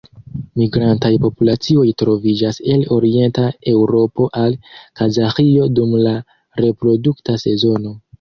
Migrantaj populacioj troviĝas el Orienta Eŭropo al Kazaĥio dum la reprodukta sezono.